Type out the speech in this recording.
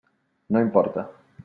No importa.